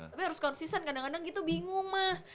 tapi harus konsisten kadang kadang gitu bingung mas